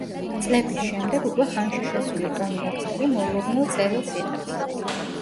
წლების შემდეგ უკვე ხანში შესული ტონი ვებსტერი მოულოდნელ წერილს იღებს.